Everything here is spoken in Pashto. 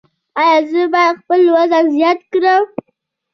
ایا زه باید خپل وزن زیات کړم؟